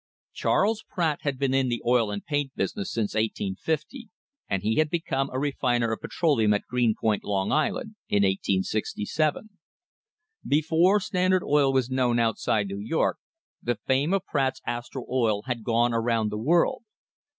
Charles Pratt had been in the oil and paint business since 1850, and he had become a refiner of petroleum at Greenpoint, Long Island, in 1867. Before Standard Oil was known outside of New York the fame of Pratt's Astral Oil had gone around the world.